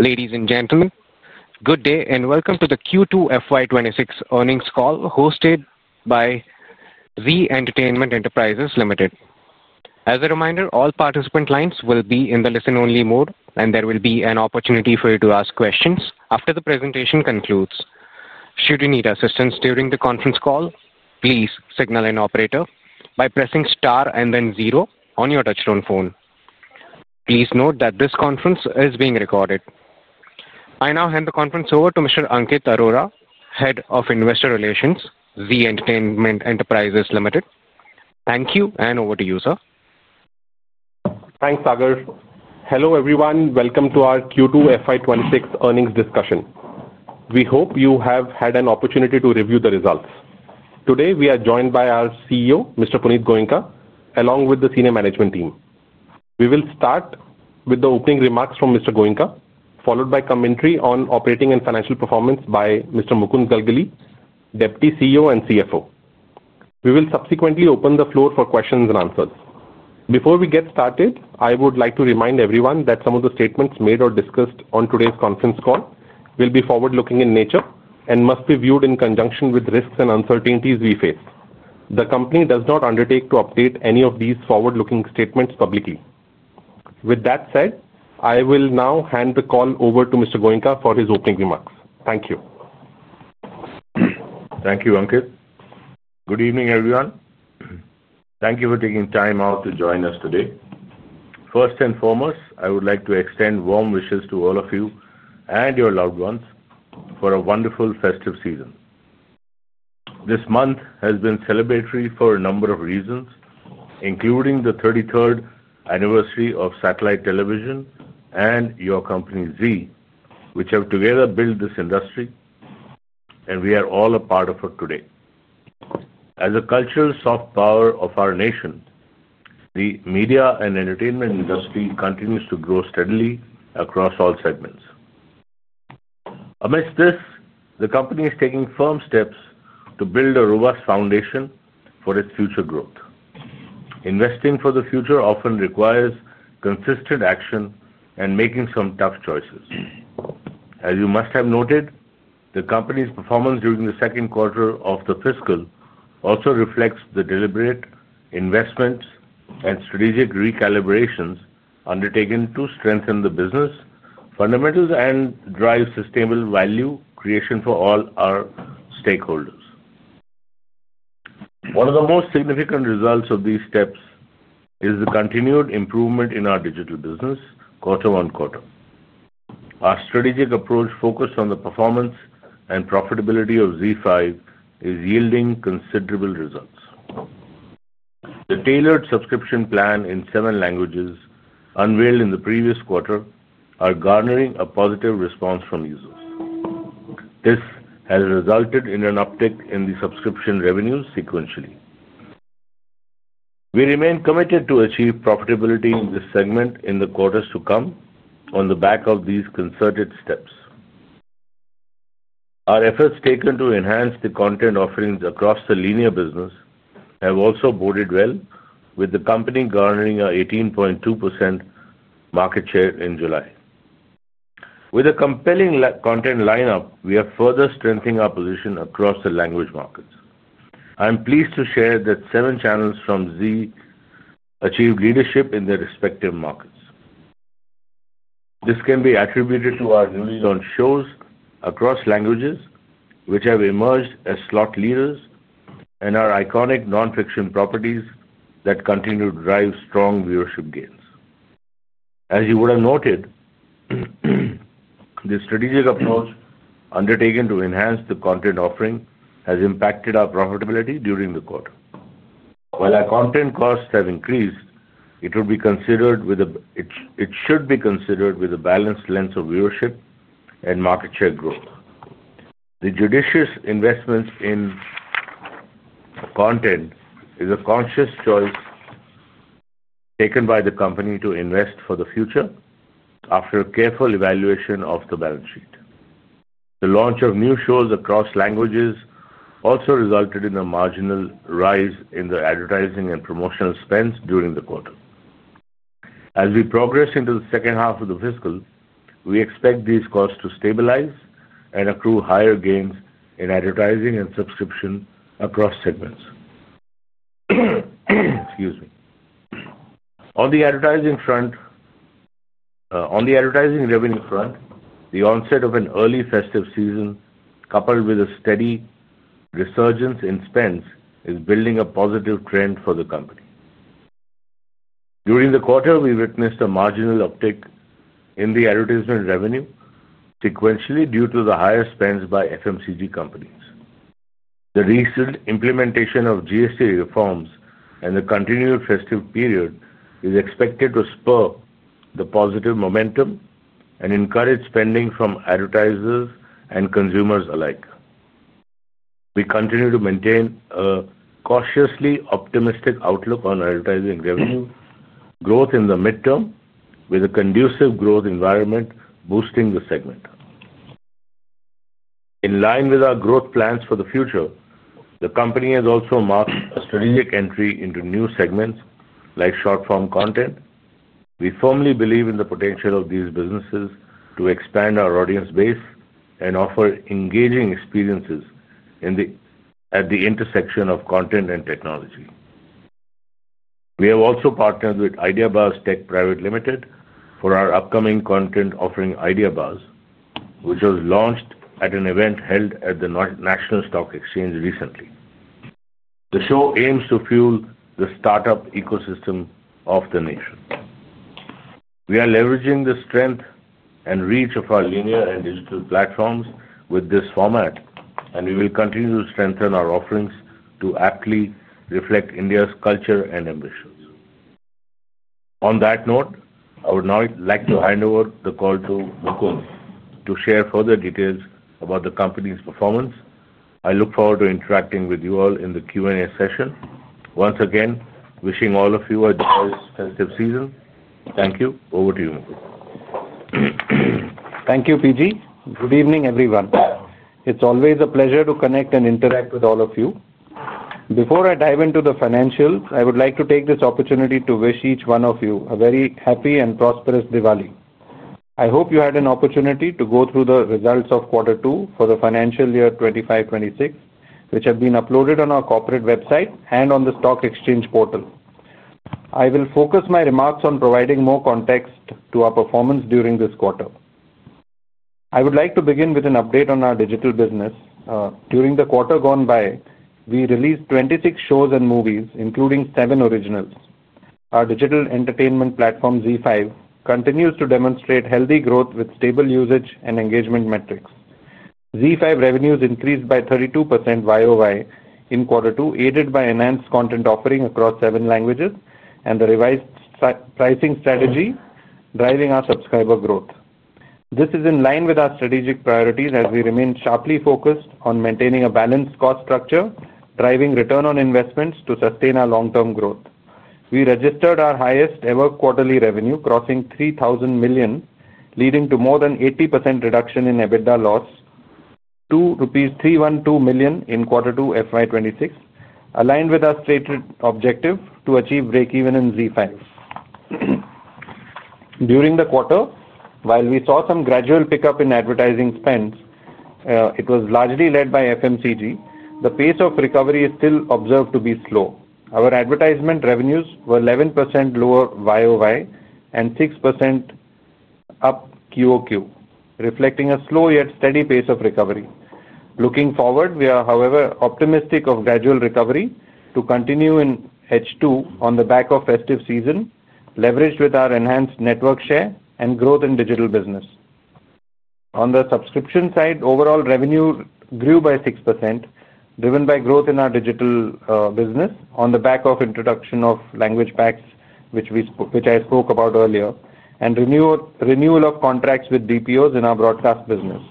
Ladies and gentlemen, good day and welcome to the Q2 FY 26 earnings call hosted by Zee Entertainment Enterprises Limited. As a reminder, all participant lines will be in the listen-only mode, and there will be an opportunity for you to ask questions after the presentation concludes. Should you need assistance during the conference call, please signal an operator by pressing star and then zero on your touch-tone phone. Please note that this conference is being recorded. I now hand the conference over to Mr. Ankit Arora, Head of Investor Relations, Zee Entertainment Enterprises Limited. Thank you, and over to you, sir. Thanks, Tagar. Hello everyone, welcome to our Q2 FY 26 earnings discussion. We hope you have had an opportunity to review the results. Today, we are joined by our CEO, Mr. Punit Goenka, along with the Senior Management Team. We will start with the opening remarks from Mr. Goenka, followed by commentary on operating and financial performance by Mr. Mukund Galgali, Deputy CEO and CFO. We will subsequently open the floor for questions and answers. Before we get started, I would like to remind everyone that some of the statements made or discussed on today's conference call will be forward-looking in nature and must be viewed in conjunction with risks and uncertainties we face. The company does not undertake to update any of these forward-looking statements publicly. With that said, I will now hand the call over to Mr. Goenka for his opening remarks. Thank you. Thank you, Ankit. Good evening, everyone. Thank you for taking time out to join us today. First and foremost, I would like to extend warm wishes to all of you and your loved ones for a wonderful festive season. This month has been celebratory for a number of reasons, including the 33rd anniversary of satellite television and your company, Zee, which have together built this industry, and we are all a part of it today. As a cultural soft power of our nation, the media and entertainment industry continue to grow steadily across all segments. Amidst this, the company is taking firm steps to build a robust foundation for its future growth. Investing for the future often requires consistent action and making some tough choices. As you must have noted, the company's performance during the second quarter of the fiscal year also reflects the deliberate investments and strategic recalibrations undertaken to strengthen the business fundamentals and drive sustainable value creation for all our stakeholders. One of the most significant results of these steps is the continued improvement in our digital business quarter on quarter. Our strategic approach focused on the performance and profitability of ZEE5 is yielding considerable results. The tailored subscription plan in seven languages, unveiled in the previous quarter, is garnering a positive response from users. This has resulted in an uptick in the subscription revenue sequentially. We remain committed to achieve profitability in this segment in the quarters to come on the back of these concerted steps. Our efforts taken to enhance the content offerings across the linear business have also boded well, with the company garnering a 18.2% market share in July. With a compelling content lineup, we are further strengthening our position across the language markets. I am pleased to share that seven channels from Zee achieved leadership in their respective markets. This can be attributed to our newly launched shows across languages, which have emerged as slot leaders, and our iconic non-fiction properties that continue to drive strong viewership gains. As you would have noted, the strategic approach undertaken to enhance the content offering has impacted our profitability during the quarter. While our content costs have increased, it should be considered with a balanced lens of viewership and market share growth. The judicious investment in content is a conscious choice taken by the company to invest for the future after a careful evaluation of the balance sheet. The launch of new shows across languages also resulted in a marginal rise in the advertising and promotional spend during the quarter. As we progress into the second half of the fiscal, we expect these costs to stabilize and accrue higher gains in advertising and subscription across segments. On the advertising front, on the advertising revenue front, the onset of an early festive season, coupled with a steady resurgence in spend, is building a positive trend for the company. During the quarter, we witnessed a marginal uptick in the advertisement revenue sequentially due to the higher spend by FMCG companies. The recent implementation of GST reforms and the continued festive period is expected to spur the positive momentum and encourage spending from advertisers and consumers alike. We continue to maintain a cautiously optimistic outlook on advertising revenue growth in the midterm, with a conducive growth environment boosting the segment. In line with our growth plans for the future, the company has also marked a strategic entry into new segments like short-form content. We firmly believe in the potential of these businesses to expand our audience base and offer engaging experiences at the intersection of content and technology. We have also partnered with IdeaBars Tech Pvt. Ltd. for our upcoming content offering IdeaBars, which was launched at an event held at the National Stock Exchange recently. The show aims to fuel the startup ecosystem of the nation. We are leveraging the strength and reach of our linear and digital platforms with this format, and we will continue to strengthen our offerings to aptly reflect India's culture and ambitions. On that note, I would now like to hand over the call to Mukund to share further details about the company's performance. I look forward to interacting with you all in the Q&A session. Once again, wishing all of you a joyous festive season. Thank you. Over to you, Mukund. Thank you, P.G. Good evening, everyone. It's always a pleasure to connect and interact with all of you. Before I dive into the financials, I would like to take this opportunity to wish each one of you a very happy and prosperous Diwali. I hope you had an opportunity to go through the results of Q2 for the financial year 2025-2026, which have been uploaded on our corporate website and on the stock exchange portal. I will focus my remarks on providing more context to our performance during this quarter. I would like to begin with an update on our digital business. During the quarter gone by, we released 26 shows and movies, including seven originals. Our digital entertainment platform, ZEE5, continues to demonstrate healthy growth with stable usage and engagement metrics. ZEE5 revenues increased by 32% year-over-year in Q2, aided by enhanced content offering across seven languages and the revised pricing strategy, driving our subscriber growth. This is in line with our strategic priorities as we remain sharply focused on maintaining a balanced cost structure, driving return on investments to sustain our long-term growth. We registered our highest ever quarterly revenue, crossing 3,000 million, leading to more than 80% reduction in EBITDA loss to rupees 312 million in Q2 FY 2026, aligned with our stated objective to achieve breakeven in ZEE5. During the quarter, while we saw some gradual pickup in advertising spend, it was largely led by FMCG. The pace of recovery is still observed to be slow. Our advertisement revenues were 11% lower year-over-year and 6% up quarter-over-quarter, reflecting a slow yet steady pace of recovery. Looking forward, we are, however, optimistic of gradual recovery to continue in H2 on the back of festive season, leveraged with our enhanced network share and growth in digital business. On the subscription side, overall revenue grew by 6%, driven by growth in our digital business on the back of the introduction of language packs, which I spoke about earlier, and renewal of contracts with DPOs in our broadcast business.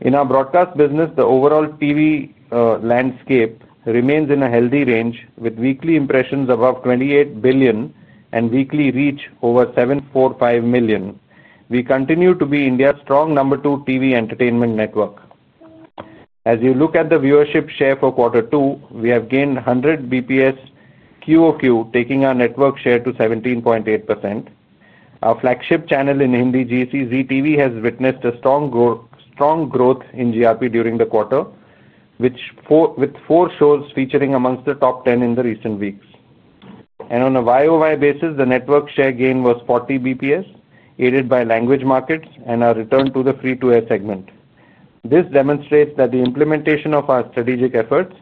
In our broadcast business, the overall TV landscape remains in a healthy range, with weekly impressions above 28 billion and weekly reach over 7.45 million. We continue to be India's strong number two TV entertainment network. As you look at the viewership share for Q2, we have gained 100 bps quarter-over-quarter, taking our network share to 17.8%. Our flagship channel in Hindi, Zee TV, has witnessed a strong growth in GRP during the quarter, with four shows featuring amongst the top 10 in the recent weeks. On a YoY basis, the network share gain was 40 basis points, aided by language markets and our return to the free-to-air segment. This demonstrates that the implementation of our strategic efforts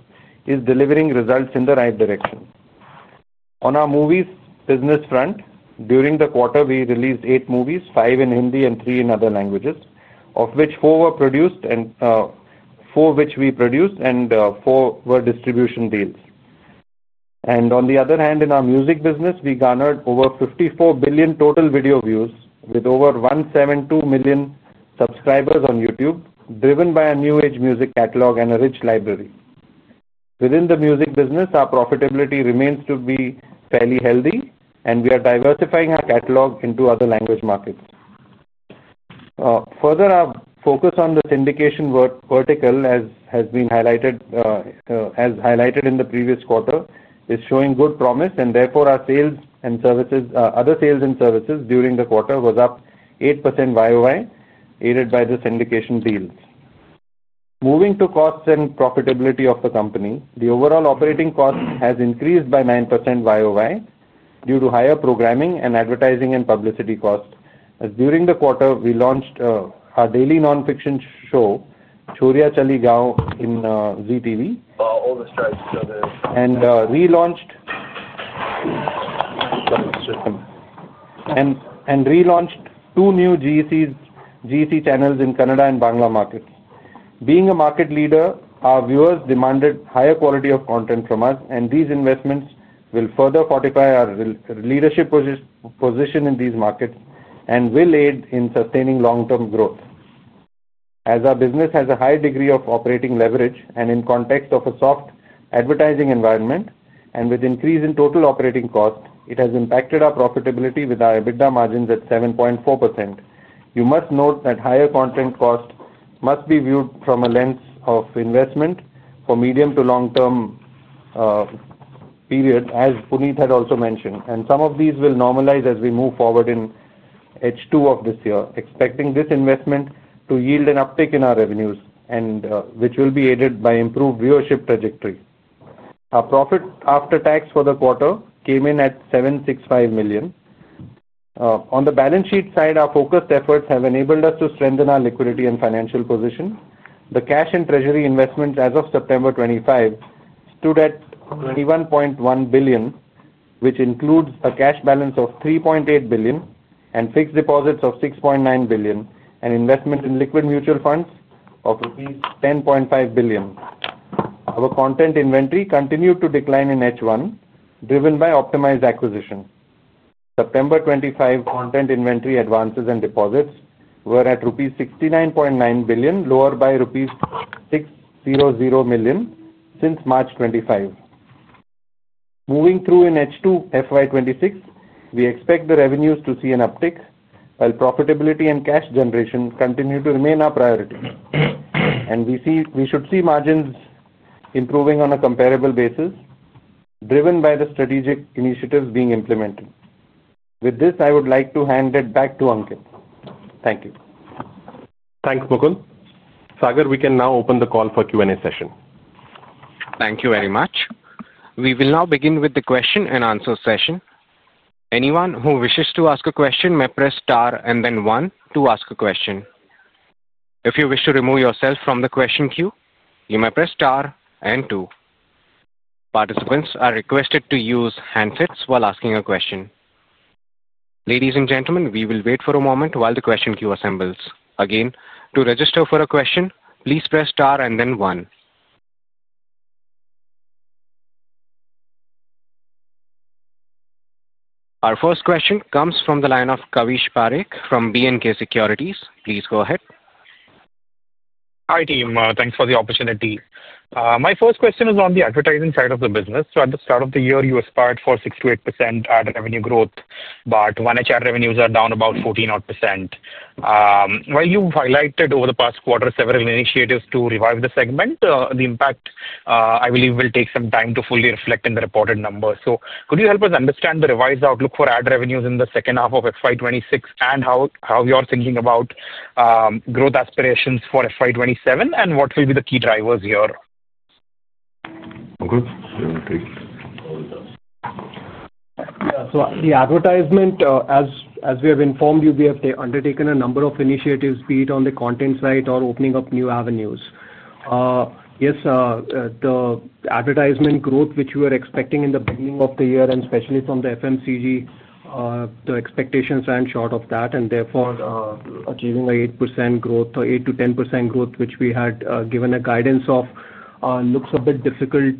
is delivering results in the right direction. On our movies business front, during the quarter, we released eight movies, five in Hindi and three in other languages, of which four were produced and four were distribution deals. On the other hand, in our music business, we garnered over 54 billion total video views, with over 172 million subscribers on YouTube, driven by a new age music catalog and a rich library. Within the music business, our profitability remains to be fairly healthy, and we are diversifying our catalog into other language markets. Further, our focus on the syndication vertical, as has been highlighted in the previous quarter, is showing good promise, and therefore our other sales and services during the quarter was up 8% YoY, aided by the syndication deals. Moving to costs and profitability of the company, the overall operating cost has increased by 9% YoY due to higher programming and advertising and publicity costs. During the quarter, we launched our daily non-fiction show, Chhoria Chaligaw, in Zee TV and relaunched two new GC channels in Kannada and Bangalore markets. Being a market leader, our viewers demanded higher quality of content from us, and these investments will further fortify our leadership position in these markets and will aid in sustaining long-term growth. As our business has a high degree of operating leverage and in the context of a soft advertising environment and with an increase in total operating costs, it has impacted our profitability with our EBITDA margins at 7.4%. You must note that higher content costs must be viewed from a lens of investment for medium to long-term periods, as Punit had also mentioned. Some of these will normalize as we move forward in H2 of this year, expecting this investment to yield an uptick in our revenues, which will be aided by improved viewership trajectory. Our profit after tax for the quarter came in at 765 million. On the balance sheet side, our focused efforts have enabled us to strengthen our liquidity and financial position. The cash and treasury investments as of September 25 stood at 21.1 billion, which includes a cash balance of 3.8 billion, fixed deposits of 6.9 billion, and investment in liquid mutual funds of rupees 10.5 billion. Our content inventory continued to decline in H1, driven by optimized acquisitions. September 25 content inventory advances and deposits were at rupees 69.9 billion, lowered by rupees 600 million since March 25. Moving through in H2 FY 2026, we expect the revenues to see an uptick, while profitability and cash generation continue to remain our priority. We should see margins improving on a comparable basis, driven by the strategic initiatives being implemented. With this, I would like to hand it back to Ankit. Thank you. Thanks, Mukund. Tagar, we can now open the call for Q&A session. Thank you very much. We will now begin with the question and answer session. Anyone who wishes to ask a question may press star and then one to ask a question. If you wish to remove yourself from the question queue, you may press star and two. Participants are requested to use handsets while asking a question. Ladies and gentlemen, we will wait for a moment while the question queue assembles. Again, to register for a question, please press star and then one. Our first question comes from the line of Kavish Parekh from B&K Securities. Please go ahead. Hi, team. Thanks for the opportunity. My first question is on the advertising side of the business. At the start of the year, you aspired for 6%-8% ad revenue growth, but first half revenues are down about 14%. While you've highlighted over the past quarter several initiatives to revive the segment, the impact, I believe, will take some time to fully reflect in the reported numbers. Could you help us understand the revised outlook for ad revenues in the second half of FY 2026 and how you're thinking about growth aspirations for FY 2027 and what will be the key drivers here? Yeah. As we have informed you, we have undertaken a number of initiatives, be it on the content side or opening up new avenues. The advertisement growth, which we were expecting in the beginning of the year, and especially from the FMCG, the expectations ran short of that, and therefore achieving an 8% growth or 8%-10% growth, which we had given a guidance of, looks a bit difficult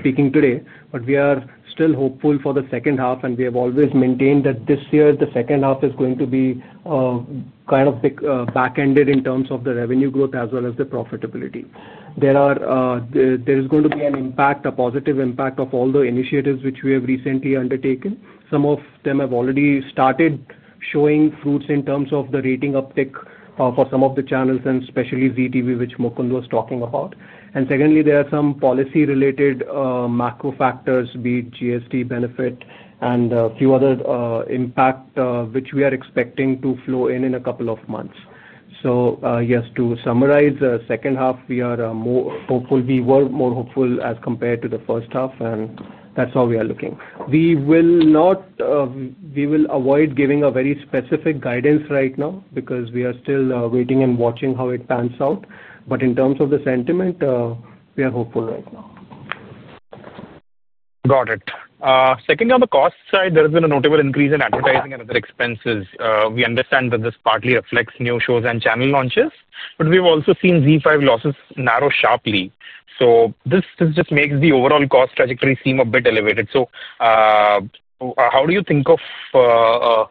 speaking today. We are still hopeful for the second half, and we have always maintained that this year the second half is going to be kind of back-ended in terms of the revenue growth as well as the profitability. There is going to be an impact, a positive impact of all the initiatives which we have recently undertaken. Some of them have already started showing fruits in terms of the rating uptick for some of the channels, and especially Zee TV, which Mukund was talking about. There are some policy-related macro factors, be it GST benefit and a few other impacts, which we are expecting to flow in in a couple of months. To summarize, the second half, we are more hopeful. We were more hopeful as compared to the first half, and that's how we are looking. We will avoid giving a very specific guidance right now because we are still waiting and watching how it pans out. In terms of the sentiment, we are hopeful right now. Got it. Second, on the cost side, there has been a notable increase in advertising and other expenses. We understand that this partly reflects new shows and channel launches, but we've also seen ZEE5 losses narrow sharply. This just makes the overall cost trajectory seem a bit elevated. How do you think of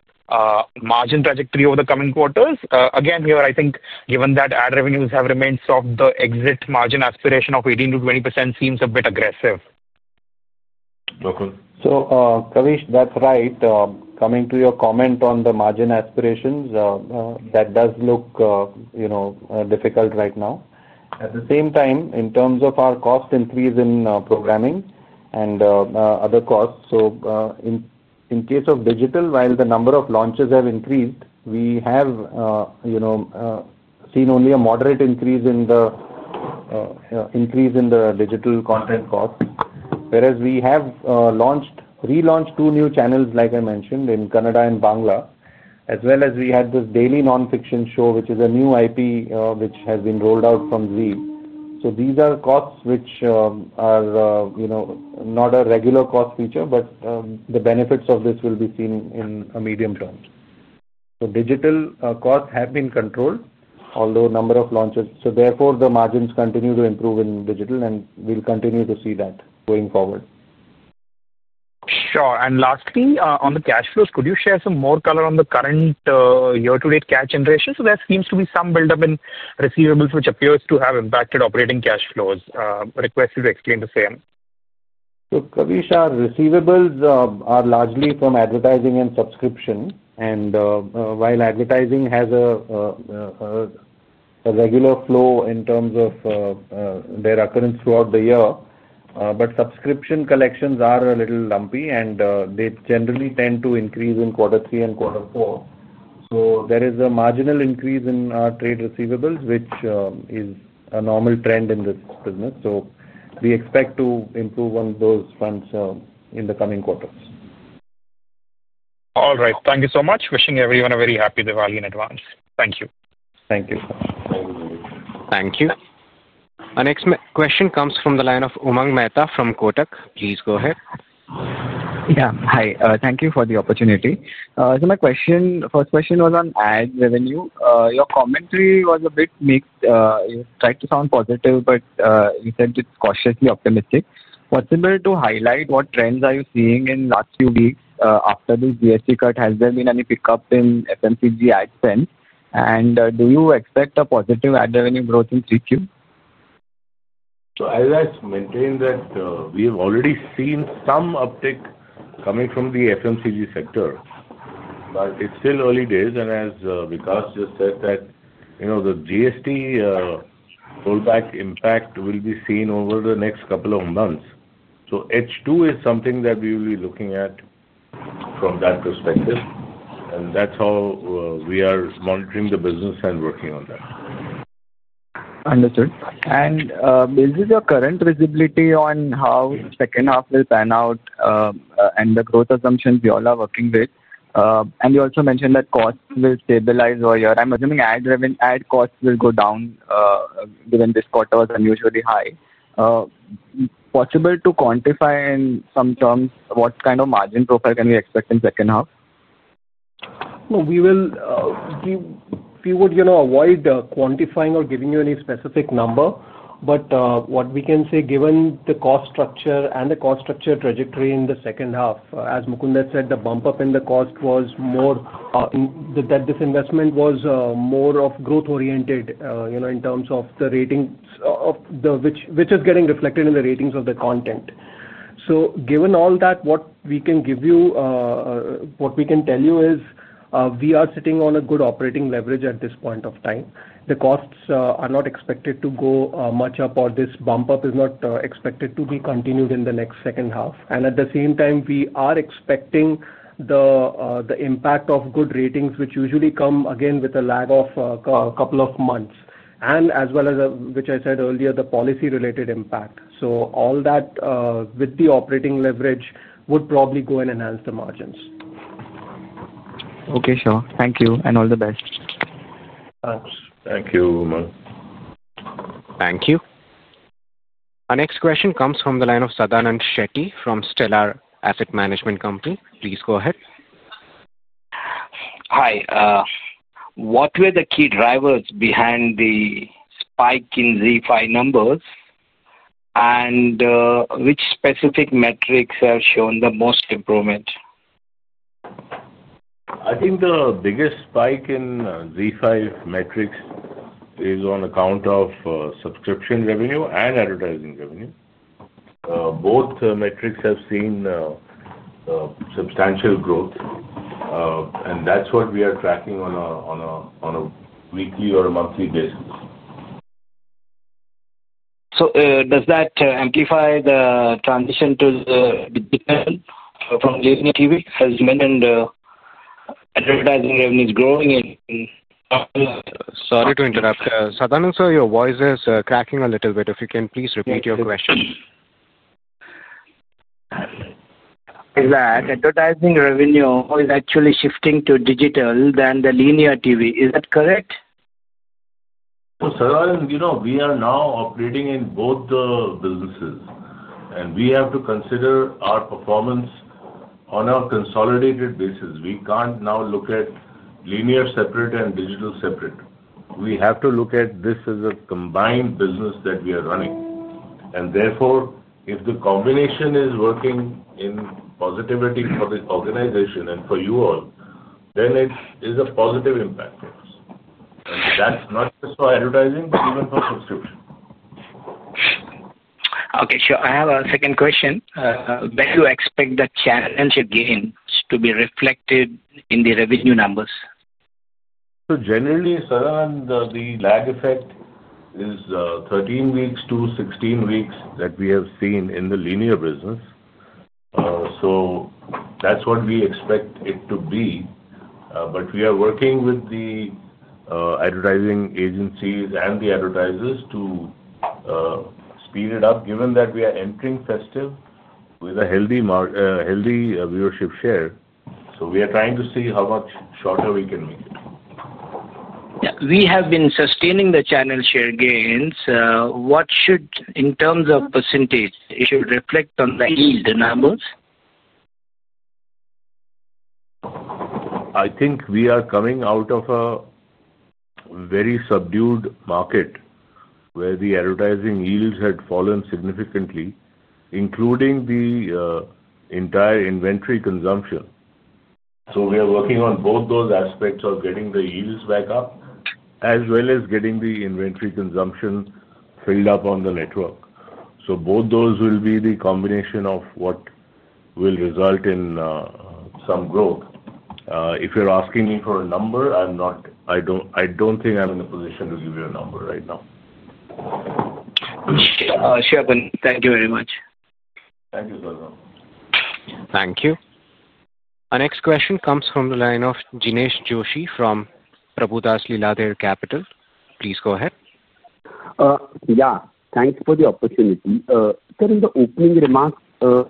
margin trajectory over the coming quarters? Here I think given that ad revenues have remained soft, the exit margin aspiration of 18%-20% seems a bit aggressive. Kavish, that's right. Coming to your comment on the margin aspirations, that does look difficult right now. At the same time, in terms of our cost increase in programming and other costs, in case of digital, while the number of launches have increased, we have seen only a moderate increase in the digital content costs. We have relaunched two new channels, like I mentioned, in Kannada and Bangalore, as well as we had this daily non-fiction show, which is a new IP which has been rolled out from Zee. These are costs which are not a regular cost feature, but the benefits of this will be seen in a medium term. Digital costs have been controlled, although a number of launches, so therefore the margins continue to improve in digital, and we'll continue to see that going forward. Sure. Lastly, on the cash flows, could you share some more color on the current year-to-date cash generation? There seems to be some buildup in receivables, which appears to have impacted operating cash flows. Request you to explain the same. Kavish, our receivables are largely from advertising and subscription. While advertising has a regular flow in terms of their occurrence throughout the year, subscription collections are a little lumpy, and they generally tend to increase in quarter three and quarter four. There is a marginal increase in our trade receivables, which is a normal trend in this business. We expect to improve on those fronts in the coming quarters. All right. Thank you so much. Wishing everyone a very happy Diwali in advance. Thank you. Thank you. Thank you. Our next question comes from the line of Umang Mehta from Kotak. Please go ahead. Yeah. Hi. Thank you for the opportunity. My first question was on ad revenue. Your commentary was a bit mixed. You tried to sound positive, but you said it's cautiously optimistic. Possible to highlight what trends are you seeing in the last few weeks after the GST cut? Has there been any pickup in FMCG ad spend? Do you expect a positive ad revenue growth in 3Q? I would like to maintain that we have already seen some uptick coming from the FMCG sector, but it's still early days. As Vikas just said, you know the GST rollback impact will be seen over the next couple of months. H2 is something that we will be looking at from that perspective, and that's how we are monitoring the business and working on that. Understood. Basically, your current visibility on how the second half will pan out and the growth assumptions you all are working with, and you also mentioned that costs will stabilize over a year. I'm assuming ad costs will go down given this quarter was unusually high. Possible to quantify in some terms what kind of margin profile can we expect in the second half? We would avoid quantifying or giving you any specific number, but what we can say, given the cost structure and the cost structure trajectory in the second half, as Mukund said, the bump up in the cost was more that this investment was more of growth-oriented in terms of the ratings of which is getting reflected in the ratings of the content. Given all that, what we can give you, what we can tell you is we are sitting on a good operating leverage at this point of time. The costs are not expected to go much up, or this bump up is not expected to be continued in the next second half. At the same time, we are expecting the impact of good ratings, which usually come again with a lag of a couple of months, and as well as, which I said earlier, the policy-related impact. All that with the operating leverage would probably go and enhance the margins. Okay, sure. Thank you and all the best. Thanks. Thank you, Umang. Thank you. Our next question comes from the line of Sadanand Shetty from Stellar Asset Management Company. Please go ahead. Hi. What were the key drivers behind the spike in ZEE5 numbers, and which specific metrics have shown the most improvement? I think the biggest spike in ZEE5 metrics is on account of subscription revenue and advertising revenue. Both metrics have seen substantial growth, and that's what we are tracking on a weekly or a monthly basis. Does that amplify the transition to digital from linear TV, as you mentioned, advertising revenue is growing in? Sorry to interrupt. Sadanand sir, your voice is cracking a little bit. If you can please repeat your question. Is that advertising revenue is actually shifting to digital rather than linear TV? Is that correct? No, sir. You know we are now operating in both the businesses, and we have to consider our performance on a consolidated basis. We can't now look at linear TV separate and digital separate. We have to look at this as a combined business that we are running. Therefore, if the combination is working in positivity for the organization and for you all, it is a positive impact for us. That's not just for advertising, but even for subscription. Okay. Sure. I have a second question. When do you expect the challenge again to be reflected in the revenue numbers? Generally, Sadanand, the lag effect is 13 weeks to 16 weeks that we have seen in the linear TV business. That's what we expect it to be. We are working with the advertising agencies and the advertisers to speed it up, given that we are entering festive with a healthy viewership share. We are trying to see how much shorter we can make it. We have been sustaining the channel share gains. What should, in terms of percentage, reflect on the yield numbers? I think we are coming out of a very subdued market where the advertising yields had fallen significantly, including the entire inventory consumption. We are working on both those aspects of getting the yields back up, as well as getting the inventory consumption filled up on the network. Both those will be the combination of what will result in some growth. If you're asking me for a number, I don't think I'm in a position to give you a number right now. Sure, thank you very much. Thank you, Sadanand. Thank you. Our next question comes from the line of Jinesh Joshi from Prabhudas Lilladher Capital. Please go ahead. Thank you for the opportunity. Sir, in the opening remarks,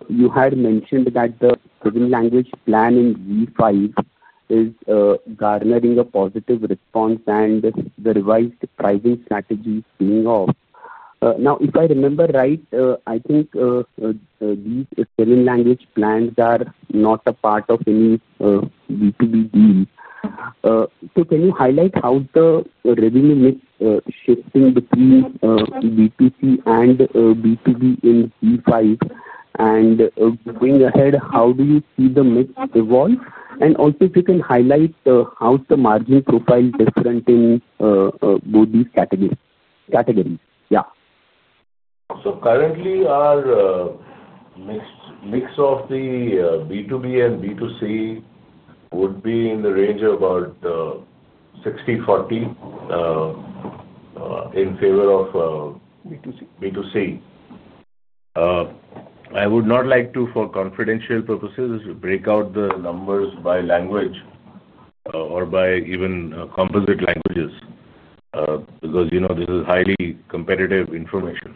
you had mentioned that the hidden language plan in ZEE5 is garnering a positive response and the revised pricing strategy is paying off. If I remember right, I think these hidden language plans are not a part of any B2B deal. Can you highlight how the revenue mix is shifting between B2C and B2B in ZEE5? Going ahead, how do you see the mix evolve? Also, if you can highlight how the margin profile is different in both these categories? Currently, our mix of the B2B and B2C would be in the range of about 60/40 in favor of B2C. I would not like to, for confidential purposes, break out the numbers by language or by even composite languages because you know this is highly competitive information.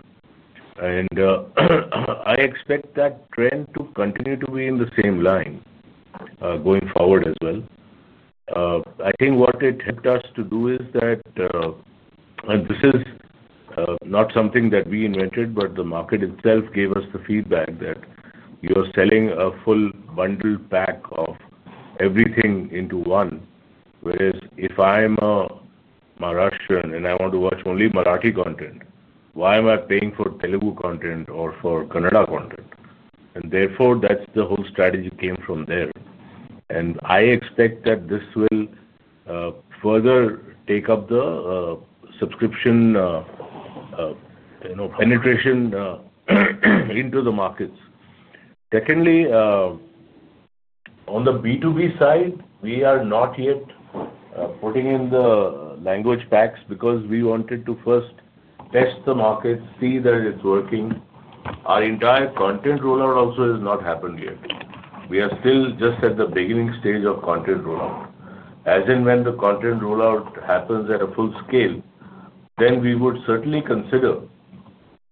I expect that trend to continue to be in the same line going forward as well. I think what it helped us to do is that this is not something that we invented, but the market itself gave us the feedback that you're selling a full bundle pack of everything into one. Whereas if I'm a Maharashtran and I want to watch only Marathi content, why am I paying for Telugu content or for Kannada content? Therefore, that's the whole strategy came from there. I expect that this will further take up the subscription penetration into the markets. Secondly, on the B2B side, we are not yet putting in the language packs because we wanted to first test the markets, see that it's working. Our entire content rollout also has not happened yet. We are still just at the beginning stage of content rollout. As and when the content rollout happens at a full scale, then we would certainly consider,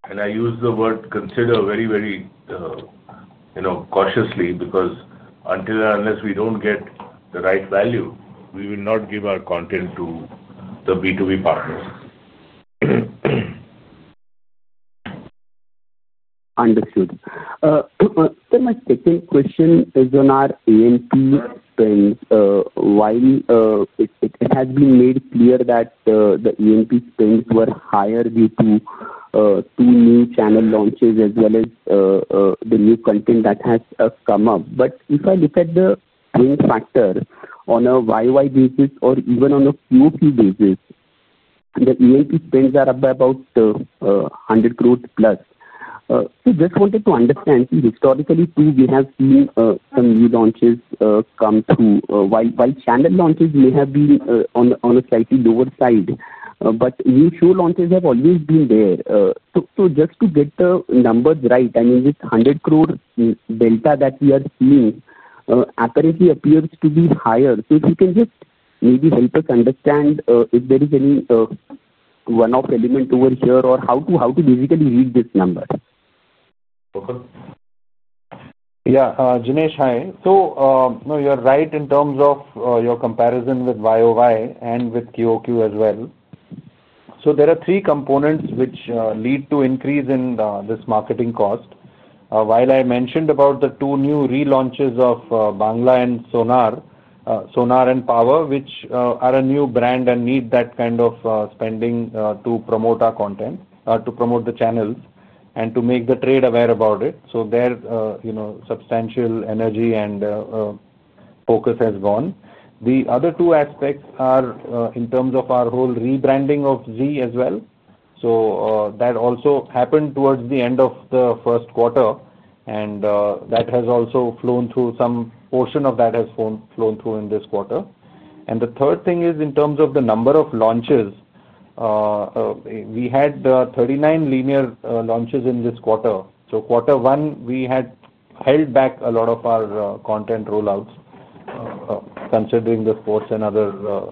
and I use the word consider very, very cautiously because until and unless we don't get the right value, we will not give our content to the B2B partners. Understood. Sir, my second question is on our ANP spends. While it has been made clear that the ANP spends were higher due to two new channel launches as well as the new content that has come up, if I look at the win factor on a YoY basis or even on a QoQ basis, the ANP spends are up by about 100 Cr+. I just wanted to understand, historically, too, we have seen some new launches come through. While channel launches may have been on a slightly lower side, new show launches have always been there. Just to get the numbers right, this 100 Cr delta that we are seeing accurately appears to be higher. If you can just maybe help us understand if there is any one-off element over here or how to basically read this number. Yeah. Jinesh, hi. You're right in terms of your comparison with YoY and with QoQ as well. There are three components which lead to an increase in this marketing cost. I mentioned the two new relaunches of Bangla and Sonar and Power, which are a new brand and need that kind of spending to promote our content, to promote the channels, and to make the trade aware about it. Their substantial energy and focus has gone. The other two aspects are in terms of our whole rebranding of Zee as well. That also happened towards the end of the first quarter, and that has also flown through. Some portion of that has flown through in this quarter. The third thing is in terms of the number of launches. We had 39 linear launches in this quarter. In quarter one, we had held back a lot of our content rollouts, considering the sports and other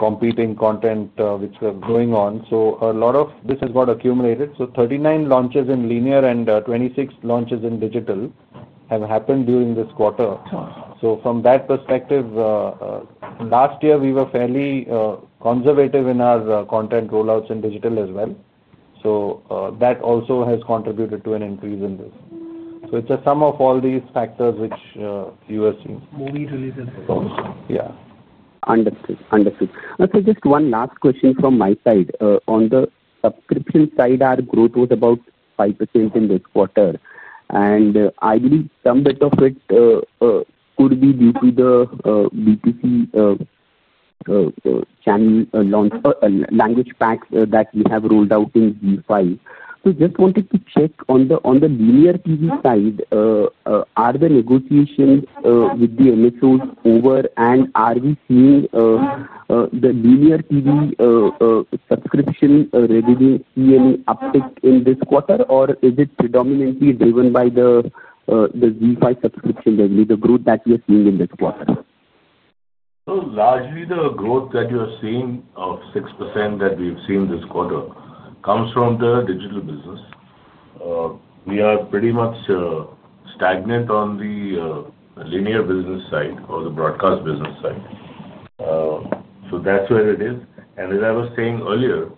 competing content which were going on. A lot of this has got accumulated. 39 launches in linear and 26 launches in digital have happened during this quarter. From that perspective, last year, we were fairly conservative in our content rollouts in digital as well. That also has contributed to an increase in this. It's a sum of all these factors which you are seeing. Movie releases also. Yeah. Understood. Okay. Just one last question from my side. On the subscription side, our growth was about 5% in this quarter. I believe some bit of it could be due to the B2C channel launch language packs that we have rolled out in ZEE5. I just wanted to check on the linear TV side, are the negotiations with the MSOs over, and are we seeing the linear TV subscription revenue see any uptick in this quarter, or is it predominantly driven by the ZEE5 subscription revenue, the growth that we are seeing in this quarter? Largely, the growth that you are seeing of 6% that we've seen this quarter comes from the digital business. We are pretty much stagnant on the linear business side or the broadcast business side. That's where it is. As I was saying earlier,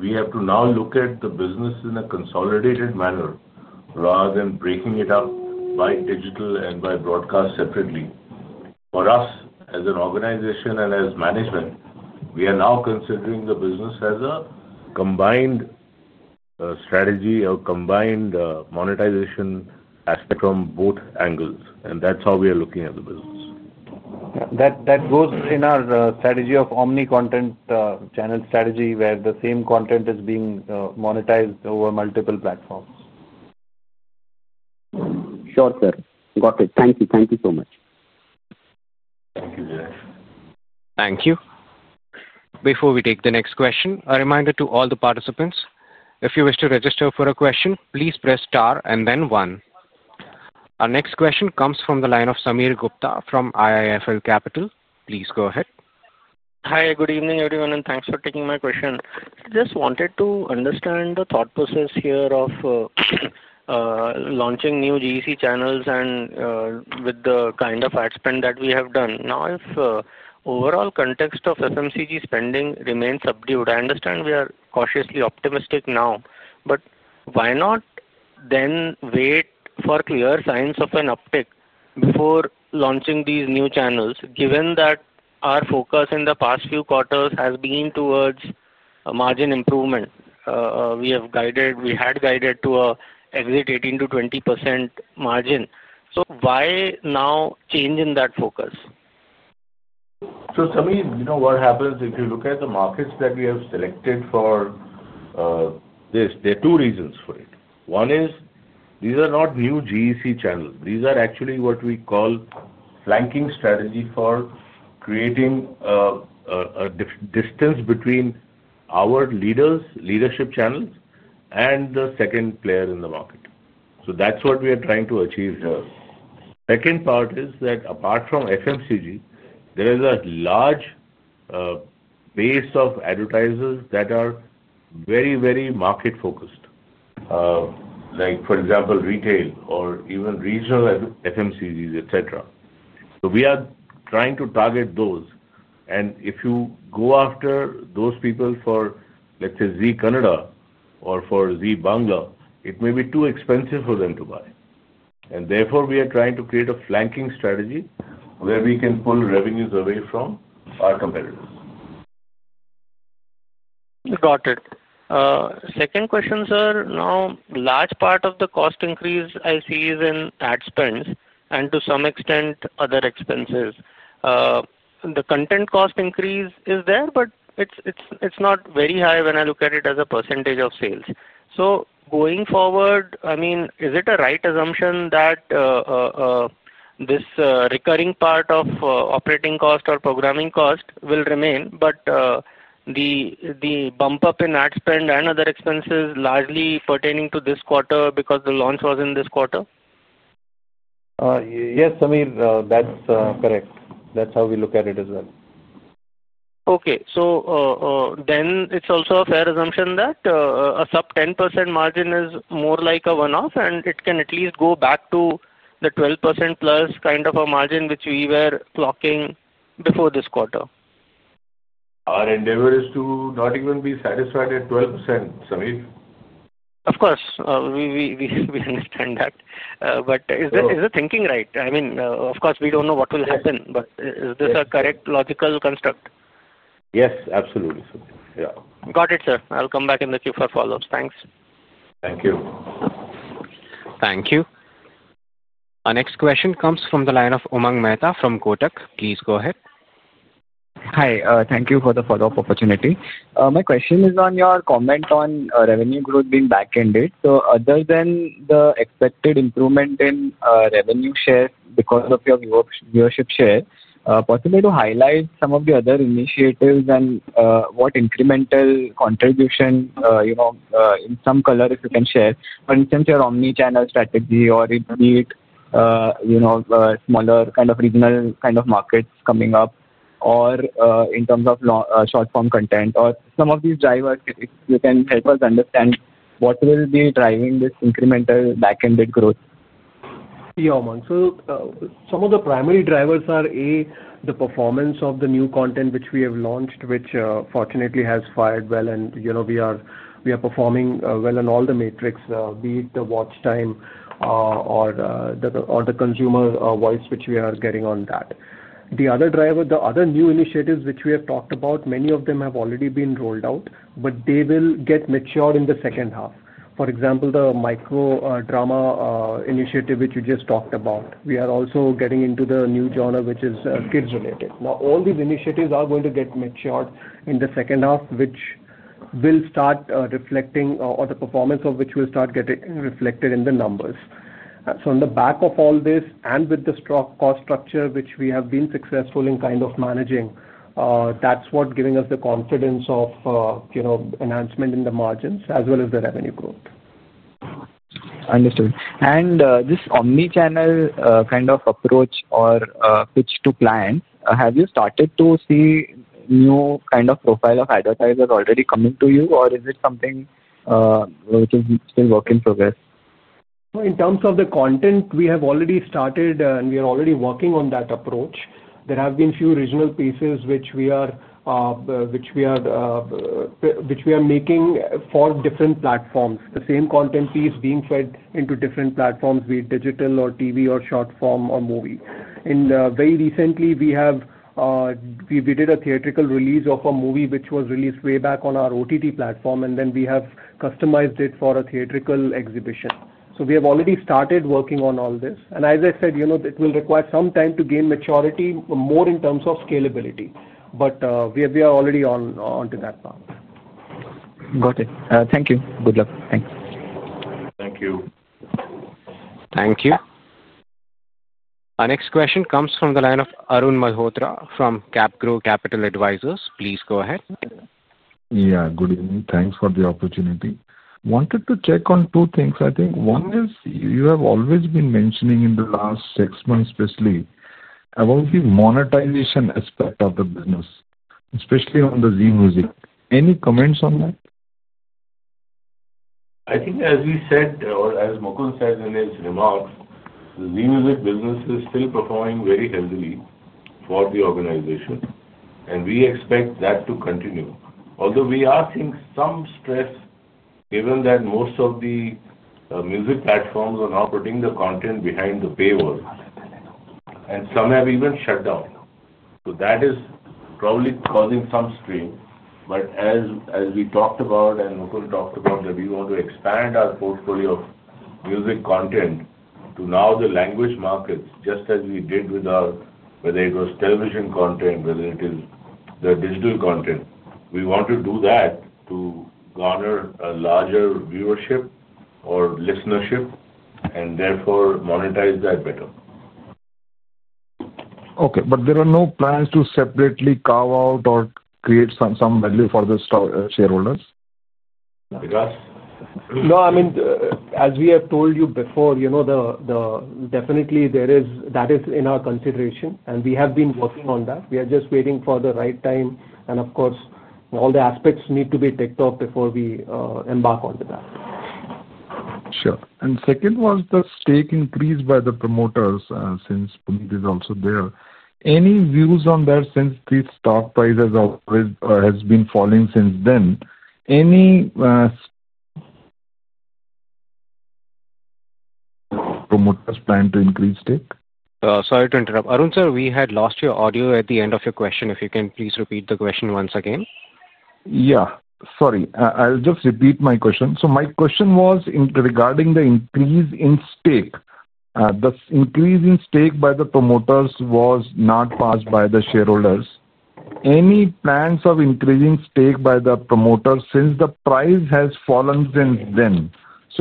we have to now look at the business in a consolidated manner rather than breaking it up by digital and by broadcast separately. For us as an organization and as management, we are now considering the business as a combined strategy, a combined monetization aspect from both angles. That's how we are looking at the business. Yeah, that goes in our strategy of omni-channel content strategy, where the same content is being monetized over multiple platforms. Sure, sir. Got it. Thank you. Thank you so much. Thank you, Jinesh. Thank you. Before we take the next question, a reminder to all the participants, if you wish to register for a question, please press star and then one. Our next question comes from the line of Sameer Gupta from IIFL Capital. Please go ahead. Hi. Good evening, everyone, and thanks for taking my question. I just wanted to understand the thought process here of launching new GEC channels and with the kind of ad spend that we have done. Now, if the overall context of FMCG spending remains subdued, I understand we are cautiously optimistic now, but why not then wait for clear signs of an uptick before launching these new channels, given that our focus in the past few quarters has been towards a margin improvement? We had guided to exit 18%-20% margin. Why now change in that focus? If you look at the markets that we have selected for this, there are two reasons for it. One is these are not new GEC channels. These are actually what we call a flanking strategy for creating a distance between our leadership channels and the second player in the market. That's what we are trying to achieve here. The second part is that apart from FMCG, there is a large base of advertisers that are very, very market-focused, like, for example, retail or even regional FMCGs, etc. We are trying to target those. If you go after those people for, let's say, Zee Canada or for Zee Bangla, it may be too expensive for them to buy. Therefore, we are trying to create a flanking strategy where we can pull revenues away from our competitors. Got it. Second question, sir. Now, a large part of the cost increase I see is in ad spend and to some extent other expenses. The content cost increase is there, but it's not very high when I look at it as a percentage of sales. Going forward, is it a right assumption that this recurring part of operating cost or programming cost will remain, but the bump up in ad spend and other expenses is largely pertaining to this quarter because the launch was in this quarter? Yes, Sameer. That's correct. That's how we look at it as well. Okay. It is also a fair assumption that a sub 10% margin is more like a one-off, and it can at least go back to the 12%+ kind of a margin which we were clocking before this quarter. Our endeavor is to not even be satisfied at 12%, Sameer. Of course, we understand that. Is the thinking right? I mean, of course, we don't know what will happen, but is this a correct logical construct? Yes, absolutely. Yeah. Got it, sir. I'll come back and let you for follow-ups. Thanks. Thank you. Thank you. Our next question comes from the line of Umang Mehta from Kotak. Please go ahead. Hi. Thank you for the follow-up opportunity. My question is on your comment on revenue growth being back-ended. Other than the expected improvement in revenue share because of your viewership share, possibly to highlight some of the other initiatives and what incremental contribution, in some color if you can share. For instance, your omni-channel strategy or indeed smaller kind of regional kind of markets coming up or in terms of short-form content or some of these drivers, if you can help us understand what will be driving this incremental back-ended growth. Yeah, Umang. Some of the primary drivers are, A, the performance of the new content which we have launched, which fortunately has fired well, and we are performing well in all the metrics, be it the watch time or the consumer voice which we are getting on that. The other driver, the other new initiatives which we have talked about, many of them have already been rolled out, but they will get matured in the second half. For example, the micro-drama initiative which we just talked about. We are also getting into the new genre which is kids-related. All these initiatives are going to get matured in the second half, which will start reflecting or the performance of which will start getting reflected in the numbers. On the back of all this and with the stock cost structure which we have been successful in kind of managing, that's what's giving us the confidence of enhancement in the margins as well as the revenue growth. Understood. This omni-channel kind of approach or switch to plan, have you started to see a new kind of profile of advertisers already coming to you, or is it something which is still a work in progress? In terms of the content, we have already started, and we are already working on that approach. There have been a few regional pieces which we are making for different platforms, the same content piece being fed into different platforms, be it digital or TV or short form or movie. Very recently, we did a theatrical release of a movie which was released way back on our OTT platform, and then we have customized it for a theatrical exhibition. We have already started working on all this. As I said, you know it will require some time to gain maturity more in terms of scalability, but we are already onto that path. Got it. Thank you. Good luck. Thanks. Thank you. Thank you. Our next question comes from the line of Arun Malhotra from CapGrow Capital Advisors. Please go ahead. Yeah. Good evening. Thanks for the opportunity. Wanted to check on two things. I think one is you have always been mentioning in the last six months, especially about the monetization aspect of the business, especially on the Zee Music. Any comments on that? I think as we said, or as Mukund said in his remarks, the Zee Music business is still performing very healthily for the organization, and we expect that to continue. Although we are seeing some stress given that most of the music platforms are now putting the content behind the paywall, and some have even shut down. That is probably causing some strain. As we talked about and Mukund talked about, we want to expand our portfolio of music content to now the language markets, just as we did with our, whether it was television content, whether it is the digital content, we want to do that to garner a larger viewership or listenership and therefore monetize that better. There are no plans to separately carve out or create some value for the shareholders? Vikas? No, as we have told you before, you know definitely that is in our consideration, and we have been working on that. We are just waiting for the right time. Of course, all the aspects need to be ticked off before we embark onto that. Sure. The second was the stake increase by the promoters since Punit is also there. Any views on that since the stock price has been falling since then? Any promoters plan to increase stake? Sorry to interrupt. Arun, sir, we had lost your audio at the end of your question. If you can please repeat the question once again. I'll just repeat my question. My question was regarding the increase in stake. The increase in stake by the promoters was not passed by the shareholders. Any plans of increasing stake by the promoters since the price has fallen since then?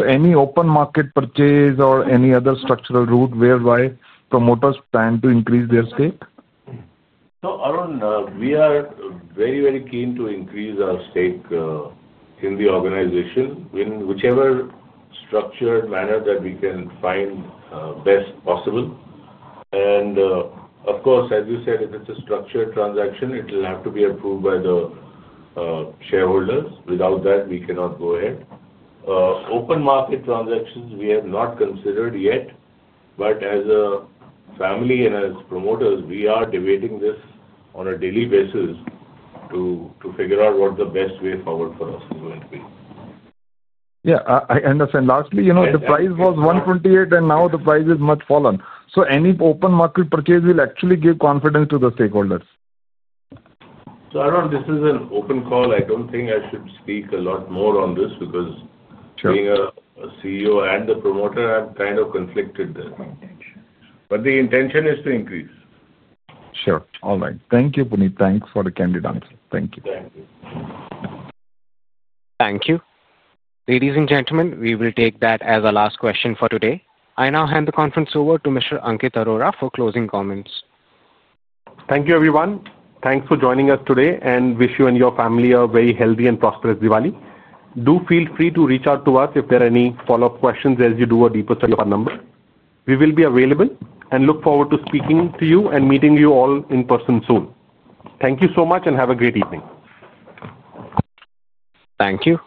Any open market purchase or any other structural route whereby promoters plan to increase their stake? We are very, very keen to increase our stake in the organization in whichever structured manner that we can find best possible. Of course, as you said, if it's a structured transaction, it will have to be approved by the shareholders. Without that, we cannot go ahead. Open market transactions we have not considered yet. As a family and as promoters, we are debating this on a daily basis to figure out what the best way forward for us is going to be. I understand. Lastly, you know the price was 128, and now the price has much fallen. Any open market purchase will actually give confidence to the stakeholders. Arun, this is an open call. I don't think I should speak a lot more on this because being a CEO and the promoter, I'm kind of conflicted there. The intention is to increase. Sure. All right. Thank you, Punit. Thanks for the candid answer. Thank you. Thank you. Thank you. Ladies and gentlemen, we will take that as our last question for today. I now hand the conference over to Mr. Ankit Arora for closing comments. Thank you, everyone. Thanks for joining us today, and wish you and your family a very healthy and prosperous Diwali. Do feel free to reach out to us if there are any follow-up questions as you do a deeper survey of our numbers. We will be available and look forward to speaking to you and meeting you all in person soon. Thank you so much, and have a great evening. Thank you.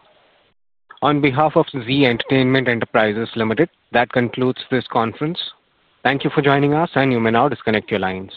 On behalf of Zee Entertainment Enterprises Limited, that concludes this conference. Thank you for joining us, and you may now disconnect your lines.